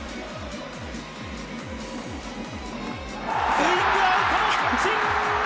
スイングアウトの三振！